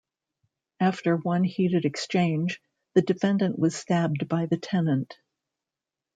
After one heated exchange, the defendant was stabbed by the tenant.